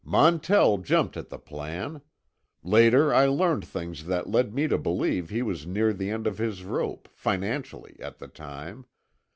"Montell jumped at the plan. Later I learned things that led me to believe he was near the end of his rope, financially, at the time.